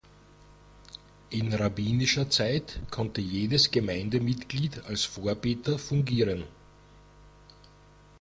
In rabbinischer Zeit konnte jedes Gemeindemitglied als Vorbeter fungieren.